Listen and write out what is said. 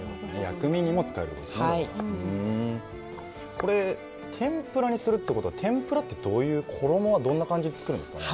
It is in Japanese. これ天ぷらにするってことは天ぷらってどういう衣はどんな感じで作るんですかね。